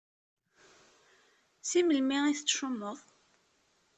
Si melmi i tettcummuḍ?